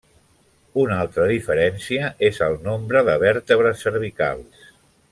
Una altra diferència és el nombre de vèrtebres cervicals.